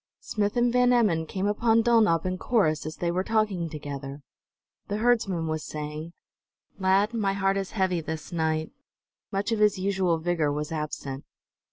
Smith and Van Emmon came upon Dulnop and Corrus as they were talking together. The herdsman was saying: "Lad, my heart is heavy this night." Much of his usual vigor was absent.